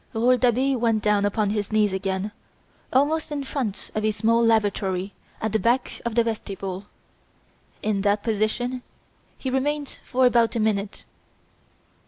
Rouletabille went down upon his knees again almost in front of a small lavatory at the back of the vestibule. In that position he remained for about a minute.